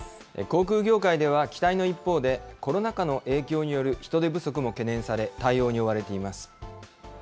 航空業界では、期待の一方で、コロナ禍の影響による人手不足も懸念され、対応に追われています。